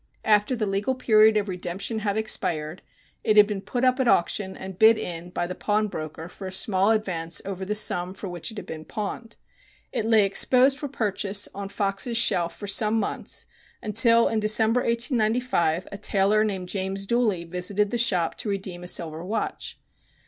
After the legal period of redemption had expired it had been put up at auction and bid in by the pawnbroker for a small advance over the sum for which it had been pawned. It lay exposed for purchase on Fox's shelf for some months, until, in December, 1895, a tailor named James Dooly visited the shop to redeem a silver watch.